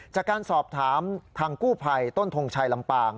จากการสอบถามทางกู้ภัยต้นทงชัยลำปาง